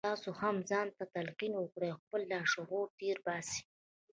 تاسې هم ځان ته تلقين وکړئ او خپل لاشعور تېر باسئ.